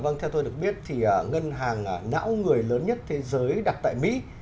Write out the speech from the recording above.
vâng theo tôi được biết thì ngân hàng não người lớn nhất thế giới đặt tại mỹ